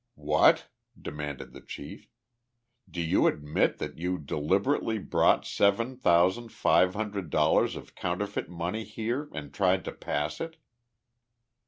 "What?" demanded the chief. "Do you admit that you deliberately brought seven thousand five hundred dollars of counterfeit money here and tried to pass it?"